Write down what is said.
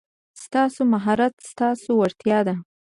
ستاسو مهارت ستاسو وړتیا ده.